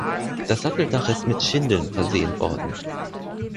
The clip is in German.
Das Satteldach ist mit Schindeln versehen worden.